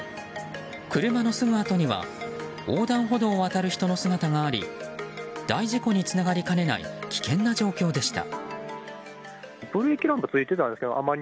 車のすぐあとには横断歩道を渡る人の姿があり大事故につながりかねない危険な状況でした。